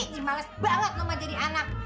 ji males banget kamu jadi anak